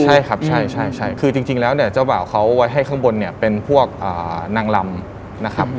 ใช่ครับใช่คือจริงแล้วเนี่ยเจ้าบ่าวเขาไว้ให้ข้างบนเนี่ยเป็นพวกนางลำนะครับ